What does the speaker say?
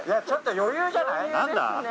ちょっと余裕じゃない？